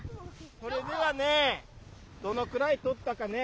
それではねどのくらい取ったかね